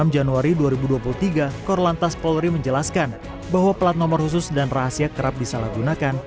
enam januari dua ribu dua puluh tiga korlantas polri menjelaskan bahwa plat nomor khusus dan rahasia kerap disalahgunakan